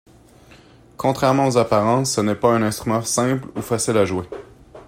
Contrairement aux apparences, ce n'est pas un instrument simple ou facile à jouer.